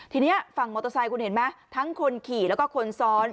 ทีนี้ฝั่งมอเตอร์ไซค์คุณเห็นไหมทั้งคนขี่แล้วก็คนซ้อน